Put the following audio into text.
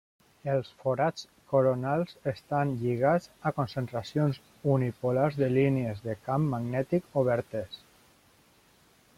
Els forats coronals estan lligats a concentracions unipolars de línies de camp magnètic obertes.